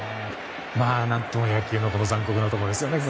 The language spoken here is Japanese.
何とも言えない野球の残酷なところですね。